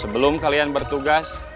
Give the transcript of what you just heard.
sebelum kalian bertugas